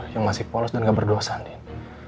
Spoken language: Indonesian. yang masih polos dan gak berdosa nih